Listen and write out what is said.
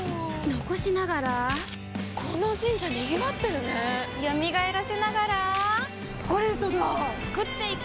残しながらこの神社賑わってるね蘇らせながらコレドだ創っていく！